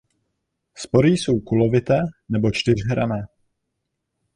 Spory jsou kulovité nebo čtyřhranné.